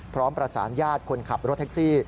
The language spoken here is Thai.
ประสานญาติคนขับรถแท็กซี่